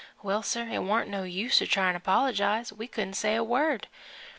Well, sir, it warn't no use to try to apologize we couldn't say a word.